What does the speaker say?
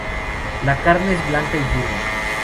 La carne es blanca y firme.